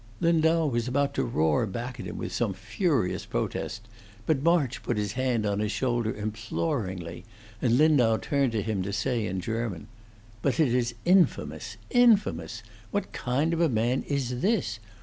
Lindau was about to roar back at him with some furious protest, but March put his hand on his shoulder imploringly, and Lindau turned to him to say in German: "But it is infamous infamous! What kind of man is this?